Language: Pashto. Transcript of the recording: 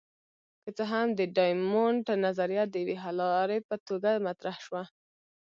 که څه هم د ډایمونډ نظریه د یوې حللارې په توګه مطرح شوه.